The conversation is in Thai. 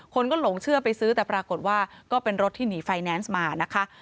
คนก็หลงเชื่อไปซื้อแต่ปรากฏว่าก็เป็นรถที่หนีไฟแนนซ์มานะคะ